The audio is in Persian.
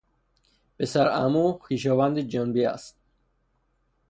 پسر عمو خویشاوند جنبی است.